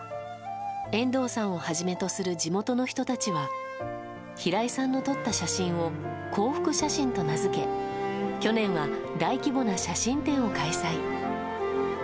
遠藤さんをはじめとする地元の人たちは平井さんの撮った写真を幸福写真と名付け去年は大規模な写真展を開催。